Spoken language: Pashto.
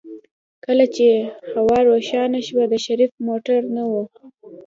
کله چې هوا روښانه شوه د شريف موټر نه و.